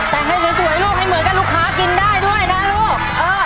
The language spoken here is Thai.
แต่งให้สวยลูกให้เหมือนกับลูกค้ากินได้ด้วยนะลูกเออ